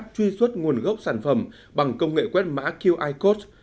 các doanh nghiệp đã truy xuất nguồn gốc sản phẩm bằng công nghệ quét mã qi code